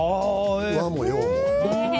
和も洋も。